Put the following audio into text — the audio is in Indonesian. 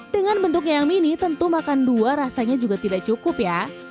dengan bentuknya yang mini tentu makan dua rasanya juga tidak cukup ya